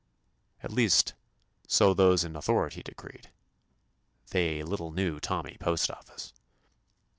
At least, so those in authority decreed. They little knew Tommy PostofEce.